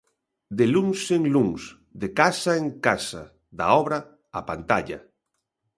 De luns en luns, de casa en casa, da obra á pantalla.